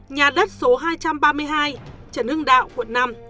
nhà đất số hai trăm ba mươi hai trần hưng đạo quận năm